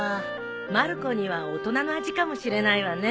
まる子には大人の味かもしれないわね。